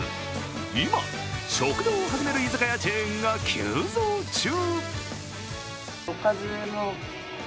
今、食堂を始める居酒屋チェーンが急増中。